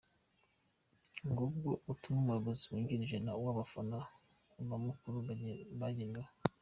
Ngubwo ubutumwa umuyobozi wungirije w'abafana ba Mukura yabageneye.